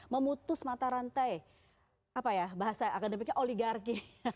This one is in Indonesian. memutus mata rantai apa ya bahasa akademiknya oligarki